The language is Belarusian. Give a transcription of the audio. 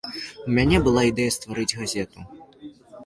У мяне была ідэя стварыць газету.